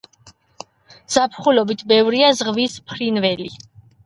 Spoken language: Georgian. ზაფხულობით ბევრია ზღვის ფრინველი.